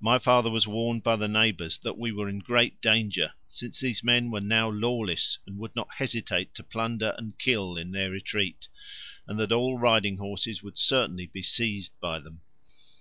My father was warned by the neighbours that we were in great danger, since these men were now lawless and would not hesitate to plunder and kill in their retreat, and that all riding horses would certainly be seized by them.